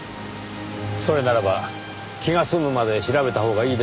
それならば気が済むまで調べたほうがいいでしょうねぇ。